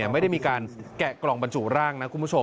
ไม่ได้มีการแกะกล่องบรรจุร่าง